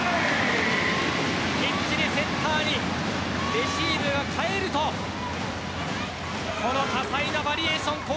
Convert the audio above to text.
きっちりセッターにレシーブが返るとこの多彩な攻撃バリエーション